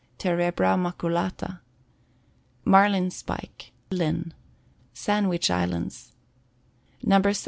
Terebra Maculata. Marlin Spike. Linn. Sandwich Islands. No. 17.